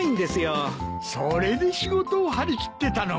それで仕事を張り切ってたのか。